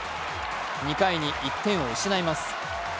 ２回に１点を失います。